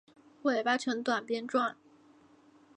尾巴呈短鞭状。